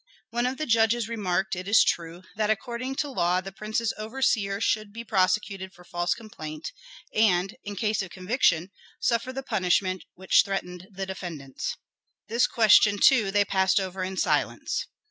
One of the judges remarked, it is true, that according to law the prince's overseer should be prosecuted for false complaint, and, in case of conviction, suffer the punishment which threatened the defendants. This question too they passed over in silence.